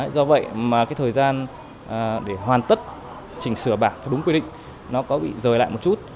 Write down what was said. do vậy mà cái thời gian để hoàn tất chỉnh sửa bảng theo đúng quy định nó có bị rời lại một chút